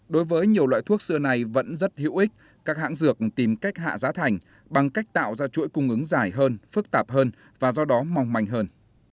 đối với nhiều loại thuốc xưa này vẫn rất hữu ích các hãng dược tìm cách hạ giá thành bằng cách tạo ra chuỗi cung ứng dài hơn phức tạp hơn và do đó mong manh hơn